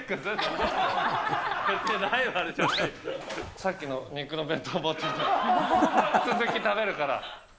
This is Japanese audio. さっきの肉の弁当持ってきて、続き食べるから。